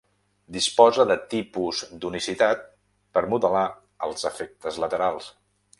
Disposa de tipus d'unicitat per modelar els efectes laterals.